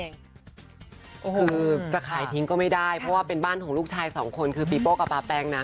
คือจะขายทิ้งก็ไม่ได้เพราะว่าเป็นบ้านของลูกชายสองคนคือปีโป้กับป๊าแป้งนะ